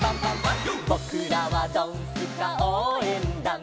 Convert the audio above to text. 「ぼくらはドンスカおうえんだん」